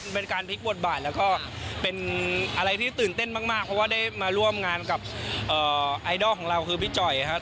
เป็นการพลิกบทบาทแล้วก็เป็นอะไรที่ตื่นเต้นมากเพราะว่าได้มาร่วมงานกับไอดอลของเราคือพี่จ่อยครับ